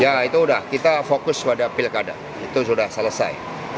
ya itu udah kita fokus pada pilkada itu sudah selesai